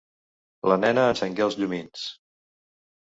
La nena encengué els llumins.